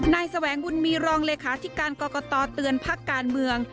แสวงบุญมีรองเลขาธิการกรกตเตือนพักการเมือง